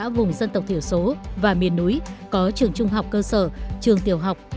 như một trăm linh xã vùng dân tộc thiểu số và miền núi có trường trung học cơ sở trường tiểu học